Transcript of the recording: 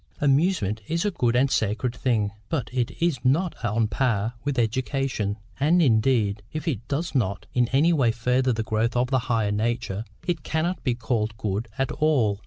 Amusement is a good and sacred thing; but it is not on a par with education; and, indeed, if it does not in any way further the growth of the higher nature, it cannot be called good at all.